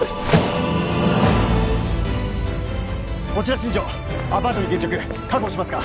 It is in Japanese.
こちら新庄アパートに現着確保しますか？